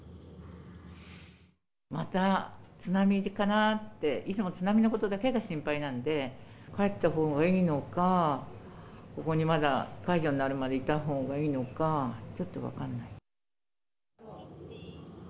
また、津波かなって、いつも津波のことだけが心配なんで、帰ったほうがいいのか、ここにまだ解除になるまでいたほうがいいのか、ちょっと分からな